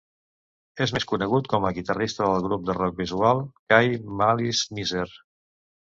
És més conegut com a guitarrista del grup de rock visual kei Malice Mizer.